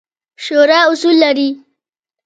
شورا اصول لري